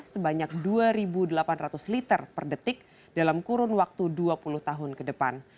sebanyak dua delapan ratus liter per detik dalam kurun waktu dua puluh tahun ke depan